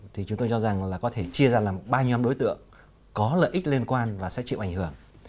thì chúng tôi cho rằng là có thể chia ra làm ba nhóm đối tượng có lợi ích liên quan và sẽ chịu ảnh hưởng